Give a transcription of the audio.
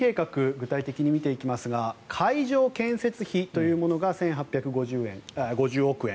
具体的に見ていきますが会場建設費というものが１８５０億円。